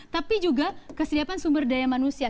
tapi juga kesediaan sumber daya manusia